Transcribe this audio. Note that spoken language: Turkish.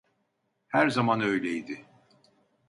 Her zaman öyleydi.